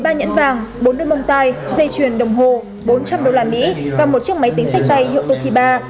một mươi ba nhẫn vàng bốn đôi mông tay dây truyền đồng hồ bốn trăm linh đô la mỹ và một chiếc máy tính sách tay hiệu toshiba